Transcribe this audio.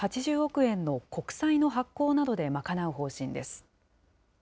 円の国債の発行などで賄う方針です。